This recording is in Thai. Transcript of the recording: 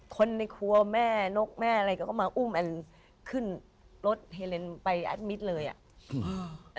คนในครัวแม่นกแม่อะไรก็มาอุ้มแอนขึ้นรถเฮเลนไปแอดมิตรเลยอ่ะอืม